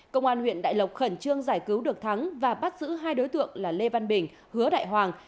công an huyện đại lộc khẩn trương giải cứu được thắng và bắt giữ hai đối tượng là lê văn bình hứa đại hoàng